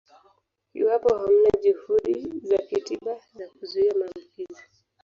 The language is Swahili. Iwapo hamna juhudi za kitiba za kuzuia maambukizi